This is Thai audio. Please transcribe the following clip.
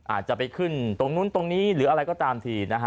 อาจจะไปขึ้นตรงนู้นตรงนี้หรืออะไรก็ตามทีนะฮะ